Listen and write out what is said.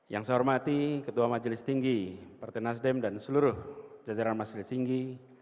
yang saya hormati ketua majelis tinggi partai nasdem dan seluruh jajaran majelis tinggi